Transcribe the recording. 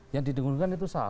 yang didengarkan itu salah